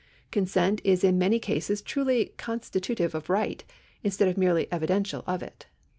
Consent is in many cases truly constitutive of right, instead of merely evidential of it.